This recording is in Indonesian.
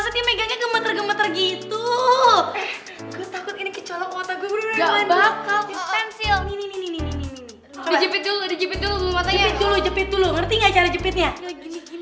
bukan bis balapan